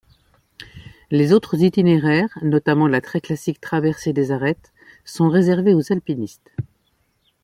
Les autres itinéraires, notamment la très classique traversée des arêtes, sont réservés aux alpinistes.